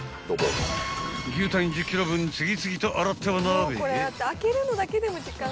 ［牛タン１０ｋｇ分次々と洗っては鍋へ］